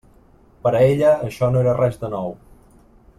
Per a ella això no era res de nou.